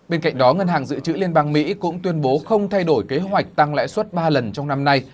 bên cạnh đó ngân hàng dự trữ liên bang mỹ cũng tuyên bố không thay đổi kế hoạch tăng lãi suất ba lần trong năm nay